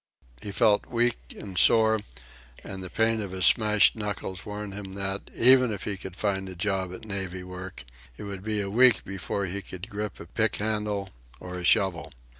He felt weak and sore, and the pain of his smashed knuckles warned him that, even if he could find a job at navvy work, it would be a week before he could grip a pick handle or a shovel.